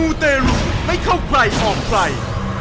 มูเตรุไม่เข้าใกล้ออกใกล้